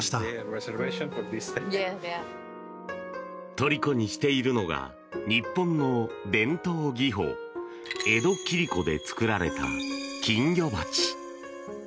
とりこにしているのが日本の伝統技法江戸切子で作られた金魚鉢。